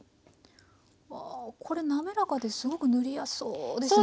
わあこれなめらかですごく塗りやすそうですね。